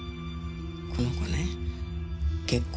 この子ね結婚